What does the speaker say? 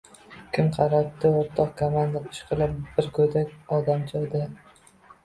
— Kim qarabdi, o‘rtoq komandir. Ishqilib, bir go‘dak odamcha-da.